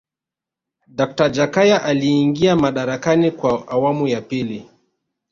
dakta jakaya aliingia madarakani kwa awamu ya pili